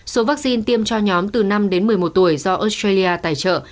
số vaccine tiêm cho nhóm từ năm đến một mươi một tuổi do australia tài trợ